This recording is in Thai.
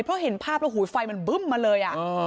เพราะเห็นภาพแล้วหูไฟมันบึ้มมาเลย